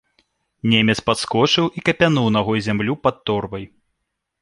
Немец падскочыў і капянуў нагой зямлю пад торбай.